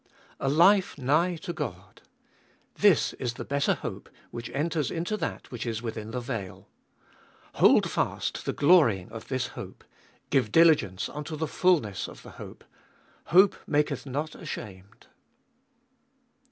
7. A life nigh to God : This is the better hope, which enters into that which is within the veil. Hold fast the glorying of this hope. Give diligence unto the fulness of the hope: hope maheth not ashamed.